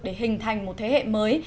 để hình thành một thế hệ mới